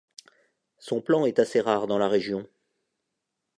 Son plan est assez rare dans la région.